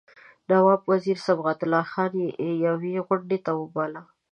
نواب وزیر صبغت الله خان یوې غونډې ته وباله.